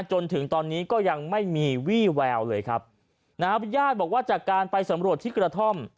จนถึงตอนนี้ก็ยังไม่มีวี่แววเลยครับนะฮะญาติบอกว่าจากการไปสำรวจที่กระท่อม